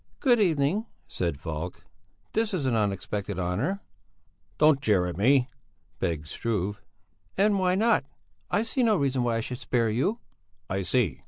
"Good evening," said Falk. "This is an unexpected honour." "Don't jeer at me," begged Struve. "And why not? I see no reason why I should spare you." "I see!